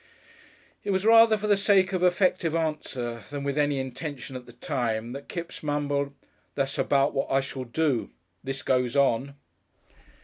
It was rather for the sake of effective answer than with any intention at the time that Kipps mumbled, "That's about what I shall do this goes on."